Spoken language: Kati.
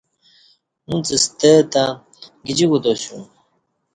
اݩڅ ستہ تہ گجی کوتاسیوم۔